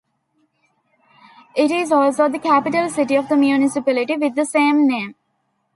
It is also the capital city of the municipality with the same name.